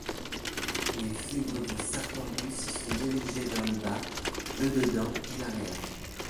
Les fibres du sartorius sont dirigées vers le bas, le dedans et l'arrière.